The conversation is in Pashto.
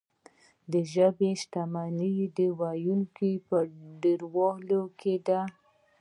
د ژبې شتمني د ویونکو په ډیروالي کې ده.